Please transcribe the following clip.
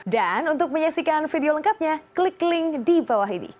dan untuk menyaksikan video lengkapnya klik link di bawah ini